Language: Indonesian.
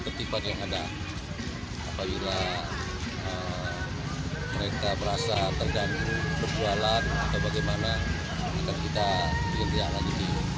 kutipan kutipan liar premanisme